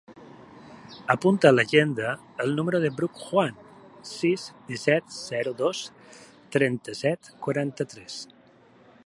Apunta a l'agenda el número del Bruc Juan: sis, disset, zero, dos, trenta-set, quaranta-tres.